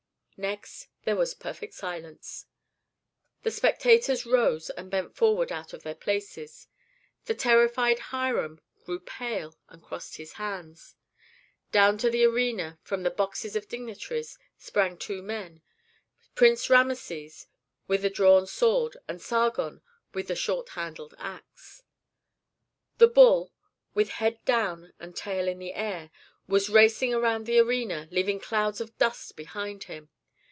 Next there was perfect silence; the spectators rose and bent forward out of their places, the terrified Hiram grew pale and crossed his hands. Down to the arena, from the boxes of dignitaries, sprang two men, Prince Rameses, with a drawn sword, and Sargon, with a short handled axe. The bull, with head down and tail in the air, was racing around the arena, leaving clouds of dust behind him.